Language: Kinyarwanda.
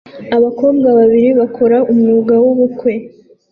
Abakobwa babiri bakora umwuga w'ubukwe